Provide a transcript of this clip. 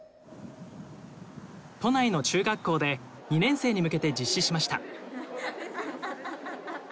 都内の中学校で２年生に向けて実施しました。